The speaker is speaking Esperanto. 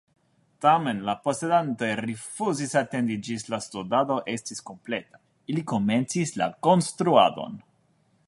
Tamen, la posedantoj rifuzis atendi ĝis la studado estis kompleta: ili komencis la konstruadon!